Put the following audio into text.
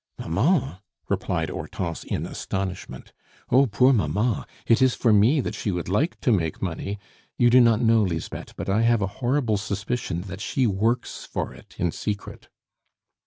"Mamma!" replied Hortense in astonishment. "Oh, poor mamma! It is for me that she would like to make money. You do not know, Lisbeth, but I have a horrible suspicion that she works for it in secret."